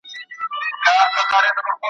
نارنج ګل مي پر زړه ګرځي انارګل درڅخه غواړم ,